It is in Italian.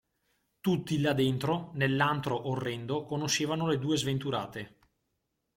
Tutti là dentro, nell'antro orrendo, conoscevano le due sventurate.